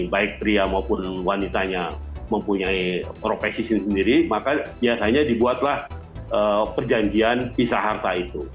baik pria maupun wanitanya mempunyai profesi sendiri sendiri maka biasanya dibuatlah perjanjian pisah harta itu